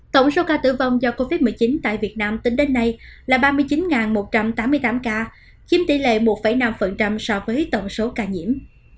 tổng số ca tử vong do covid một mươi chín tại việt nam tính đến nay là ba mươi chín một trăm tám mươi tám ca chiếm tỷ lệ một năm so với tổng số ca nhiễm